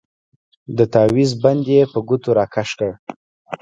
د تاويز بند يې په ګوتو راکښ کړ.